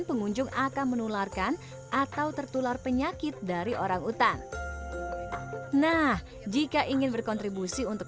pengunjung akan menularkan atau tertular penyakit dari orang utan nah jika ingin berkontribusi untuk